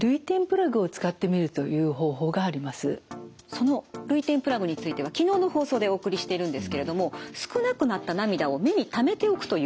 その涙点プラグについては昨日の放送でお送りしてるんですけれども少なくなった涙を目にためておくというものなんです。